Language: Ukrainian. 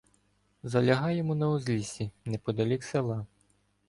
Залягаємо на узліссі неподалік села.